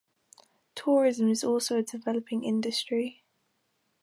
Tourism is also a developing industry.